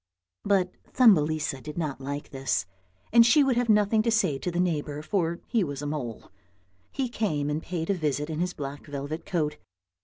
But Thumbelisa did not like this, and she would have nothing to say to the neighbour, for he was a mole. He came and paid a visit in his black velvet coat.